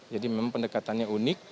jadi memang pendekatannya unik